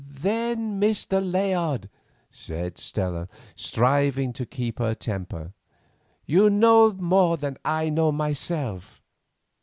"Then, Mr. Layard," said Stella, striving to keep her temper, "you know more than I know myself."